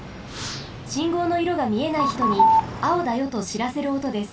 しんごうのいろがみえないひとに「あおだよ」としらせるおとです。